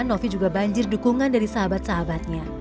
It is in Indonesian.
novi juga banjir dukungan dari sahabat sahabatnya